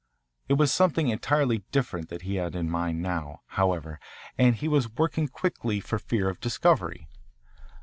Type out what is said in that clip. It was something entirely different that he had in mind now, however, and he was working quickly for fear of discovery.